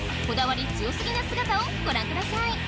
こだわり強すぎな姿をご覧ください。